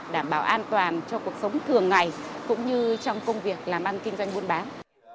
đảm bảo an toàn cho cuộc sống thường ngày cũng như trong công việc làm ăn kinh doanh buôn bán